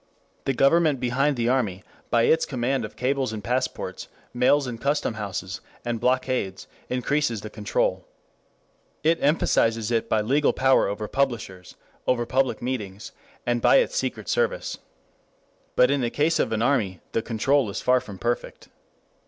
The Government behind the army by its command of cables and passports, mails and custom houses and blockades increases the control. It emphasizes it by legal power over publishers, over public meetings, and by its secret service. But in the case of an army the control is far from perfect.